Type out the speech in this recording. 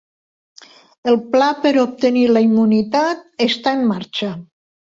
El pla per obtenir la immunitat està en marxa